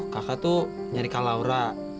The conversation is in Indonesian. kakak tuh nyari kak laura